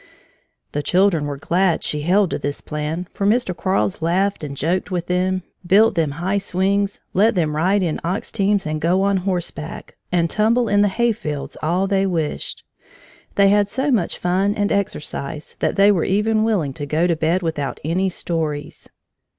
The children were glad she held to this plan, for Mr. Quarles laughed and joked with them, built them high swings, let them ride in ox teams and go on horseback, and tumble in the hayfields all they wished. They had so much fun and exercise that they were even willing to go to bed without any stories.